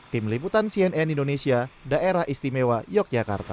tim liputan cnn indonesia daerah istimewa yogyakarta